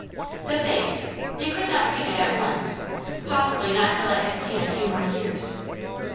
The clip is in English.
The face, you could not read it at once; possibly not till it had seen a few more years.